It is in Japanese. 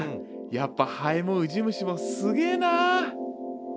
やっぱハエもウジ虫もすげえな。